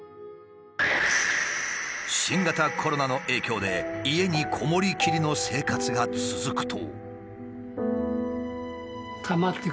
新型コロナの影響で家にこもりきりの生活が続くと。